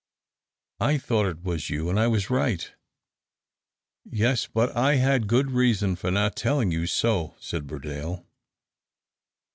"I thought it was you, and I was right." "Yes; but I had good reason for not telling you so," said Burdale.